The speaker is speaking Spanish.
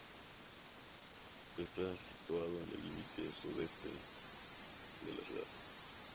Está situado en el límite sudeste de la ciudad.